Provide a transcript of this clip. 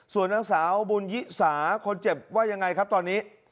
ส่วนนางสาวบุญยิสาคนเจ็บว่ายังไงครับตอนนี้